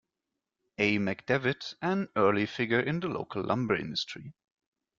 A. McDavitt, an early figure in the local lumber industry.